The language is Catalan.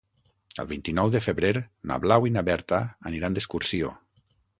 El vint-i-nou de febrer na Blau i na Berta aniran d'excursió.